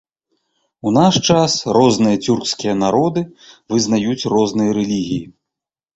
У наш час, розныя цюркскія народы вызнаюць розныя рэлігіі.